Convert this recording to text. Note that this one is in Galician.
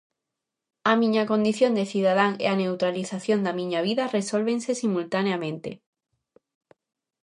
A miña condición de cidadán e a neutralización da miña vida resólvense simultaneamente.